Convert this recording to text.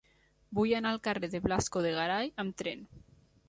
Vull anar al carrer de Blasco de Garay amb tren.